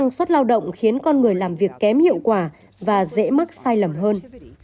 năng suất lao động khiến con người làm việc kém hiệu quả và dễ mắc sai lầm hơn